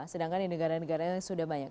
sedangkan di negara negara sudah banyak